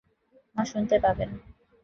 মা শুনতে পাবেন।